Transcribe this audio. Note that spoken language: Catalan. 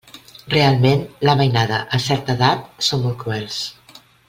Realment la mainada a certa edat són molt cruels.